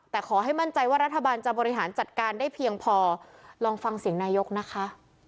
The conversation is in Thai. แต่ขอให้มั่นใจว่ารัฐบาลจะบริหารจัดการได้เพียงพอลองฟังเสียงนายกนะคะ